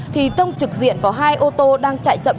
thì tông trực diện vào hai ô tô đang chạy chậm